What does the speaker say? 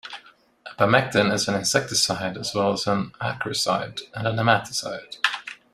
Abamectin is an insecticide as well as an acaricide and a nematicide.